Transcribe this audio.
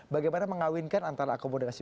bagaimana mengawinkan antara akoboderasi